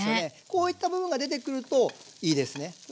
こういった部分が出てくるといいですね。